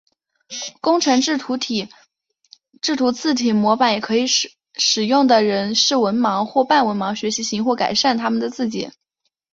工程制图字体模板也可以使用的人是文盲或半文盲学习型或改善他们的笔迹。